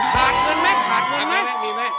ขาดเงินไหมขาดเงินไหมมีไหม